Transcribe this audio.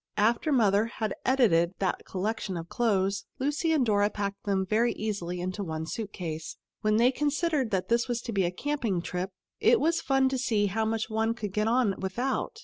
After Mother had edited that collection of clothes, Lucy and Dora packed them very easily into one suit case. When they considered that this was to be a camping trip, it was fun to see how much one could get on without.